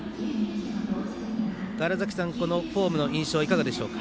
川原崎さん、このフォームの印象はいかがですか？